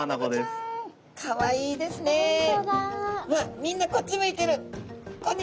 わっみんなこっちむいてる！